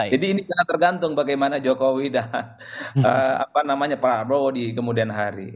jadi ini tidak tergantung bagaimana jokowi dan prabowo di kemudian hari